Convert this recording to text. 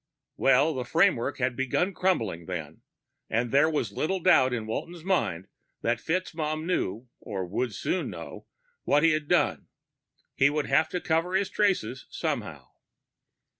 _ Well, the framework had begun crumbling, then. And there was little doubt in Walton's mind that FitzMaugham knew or would soon know what he had done. He would have to cover his traces, somehow.